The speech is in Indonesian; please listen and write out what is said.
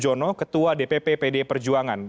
jono ketua dpp pdi perjuangan